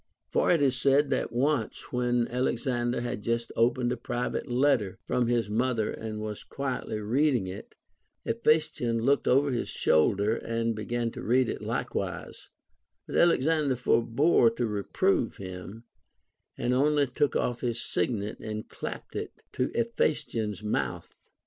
For it is said that once, when Alexander had just opened a private letter from his mother and was quietly reading it, Hephaestion looked over his shoulder and began to read it likewise ; but Alexander forbore to reprove him, and only took off his signet and clapped it to Hephaestion's mouth.